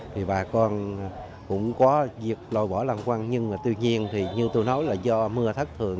thì bà con cũng có diệt lôi bỏ lăng quăng nhưng mà tuy nhiên thì như tôi nói là do mưa thất thường